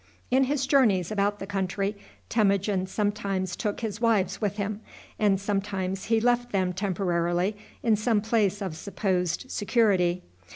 In his journeys about the country Temujin sometimes took his wives with him, and sometimes he left them temporarily in some place of supposed security.